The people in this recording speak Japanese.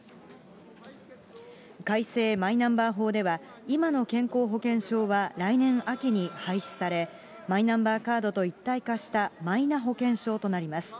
改正マイナンバー法では、今の健康保険証は来年秋に廃止され、マイナンバーカードと一体化したマイナ保険証となります。